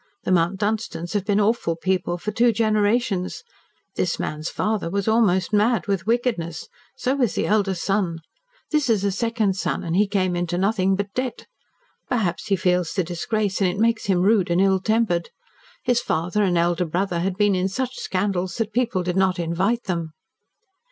The Mount Dunstans have been awful people for two generations. This man's father was almost mad with wickedness. So was the elder son. This is a second son, and he came into nothing but debt. Perhaps he feels the disgrace and it makes him rude and ill tempered. His father and elder brother had been in such scandals that people did not invite them.